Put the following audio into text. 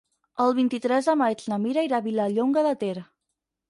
El vint-i-tres de maig na Mira irà a Vilallonga de Ter.